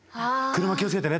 「車気を付けてね」。